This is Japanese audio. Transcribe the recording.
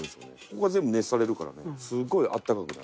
ここが全部熱されるからねすごい温かくなるんです。